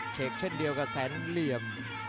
กเช่นเดียวกับแสนเหลี่ยม